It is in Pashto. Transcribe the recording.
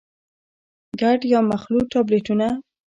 ګډ يا مخلوط ټابليټونه: